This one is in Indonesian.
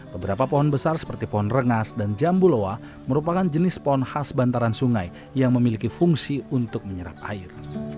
beberapa pohon besar seperti pohon rengas dan jambuloa merupakan jenis pohon khas bantaran sungai yang memiliki fungsi untuk menyerap air